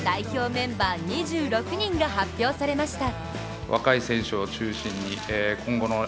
メンバー２６人が発表されました。